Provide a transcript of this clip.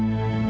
aku mau pergi